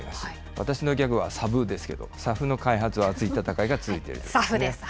私のギャグはさぶですけど、ＳＡＦの開発は熱い戦いが続いているＳＡＦです。